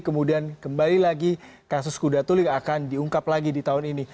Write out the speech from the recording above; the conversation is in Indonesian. kemudian kembali lagi kasus kuda tuli akan diungkap lagi di tahun ini